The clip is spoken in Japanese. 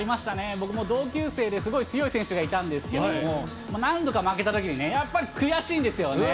僕の同級生ですごい強い選手がいたんですけれども、何度か負けたときに、やっぱり悔しいんですよね。